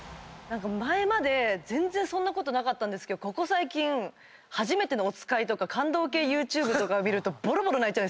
前まで全然そんなことなかったんですけどここ最近『はじめてのおつかい』とか感動系ＹｏｕＴｕｂｅとかを見ると。